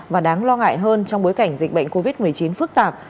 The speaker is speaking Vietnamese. và đáng lo ngại hơn trong bối cảnh dịch bệnh covid một mươi chín phức tạp